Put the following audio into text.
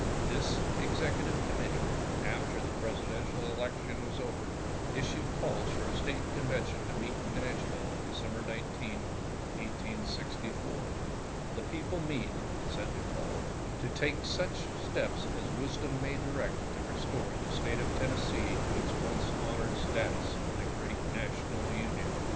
This executive committee, after the Presidential election was over, issued calls for a State Conven tion to meet in Nashville on December 19, 1864. " The people meet," said the call, " to take such steps as wisdom may direct to restore the State of Tennessee to its once honored status in the gi eat National Union.